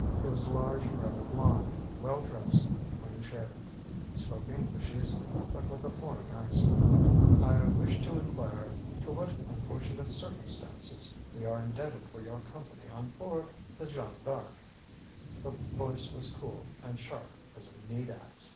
He was large and rather blond, well dressed, clean shaven. He spoke English easily, but with a foreign accent. "I wish to inquire to what unfortunate circumstances we are indebted for your company on board the Jeanne D'Arc." The voice was cool, and sharp as a meat ax.